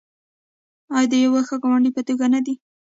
آیا د یو ښه ګاونډي په توګه نه دی؟